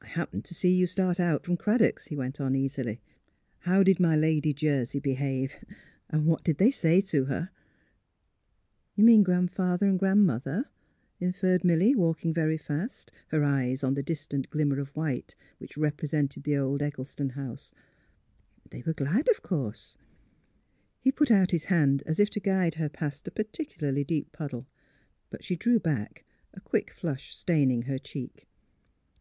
^' I happened to see you start out from Crad dock's," he went on, easily. " How did my lady Jersey behave? And what did they say to her? '' You mean Gran 'father and Gran 'mother? '* inferred Milly, walking very fast, her eyes on the distant glimmer of white which represented the old Eggleston house. '' They — they were glad, of course." ON THE OLD EOAD 165 He put out Ms hand as if to guide her past a particularly deep puddle. But she drew back, a quick flush staining her cheek.